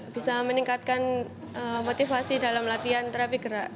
bisa meningkatkan motivasi dalam latihan terapi gerak